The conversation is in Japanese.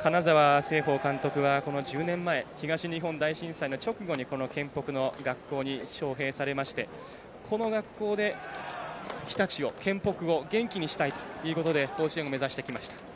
金沢成奉監督は１０年前東日本大震災直後にこの県北の学校に招へいされまして、この学校で日立を県北を元気にしたいということで甲子園を目指してきました。